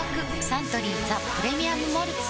サントリー「ザ・プレミアム・モルツ」